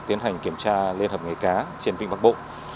tiến hành kiểm tra liên hợp nghề cá trên vịnh bắc bộ